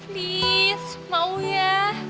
please mau ya